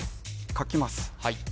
書きます